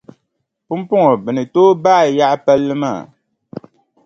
Pumpɔŋɔ bɛ ni tooi baai yaɣi palli maa.